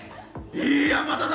いいや、まだだ！